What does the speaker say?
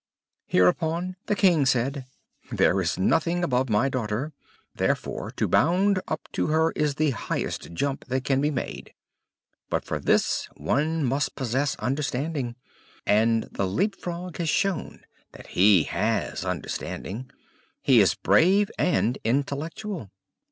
Hereupon the King said, "There is nothing above my daughter; therefore to bound up to her is the highest jump that can be made; but for this, one must possess understanding, and the Leap frog has shown that he has understanding. He is brave and intellectual."